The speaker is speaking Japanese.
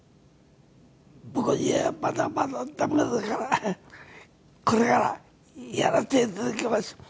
僕はまだまだ駄目だからこれからやらせて頂きます。